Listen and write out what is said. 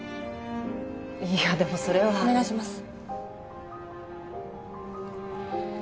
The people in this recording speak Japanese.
いやでもそれはお願いします